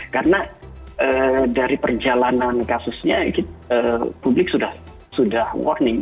karena dari perjalanan kasusnya publik sudah warning